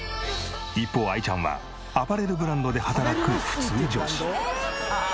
一方あいちゃんはアパレルブランドで働く普通女子。